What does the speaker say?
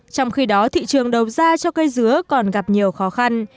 trong khi đó thị trường đầu ra cho cây dứa còn gặp nhiều khó khăn